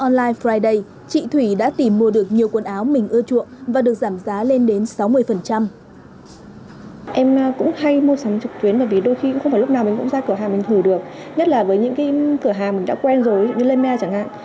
nhất là với những cái cửa hàng mình đã quen rồi như lemea chẳng hạn